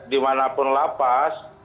dimanapun la paz